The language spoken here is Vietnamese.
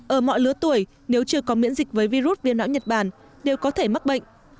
ở mọi lứa tuổi nếu chưa có miễn dịch với virus viêm não nhật bản đều có thể mắc bệnh